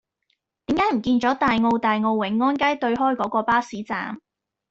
點解唔見左大澳大澳永安街對開嗰個巴士站